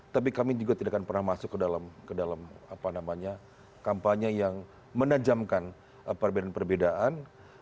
tapi kami juga tidak akan pernah masuk ke dalam kampanye yang menajamkan perbedaan perbedaan